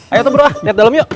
ayo tuh bro liat dalem yuk